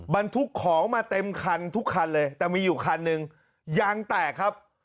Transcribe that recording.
บรรทุกของมาเต็มคันทุกคันเลยแต่มีอยู่คันหนึ่งยางแตกครับ